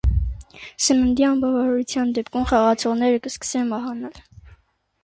Սննդի անբավարարության դեպքում խաղացողները կսկսեն մահանալ։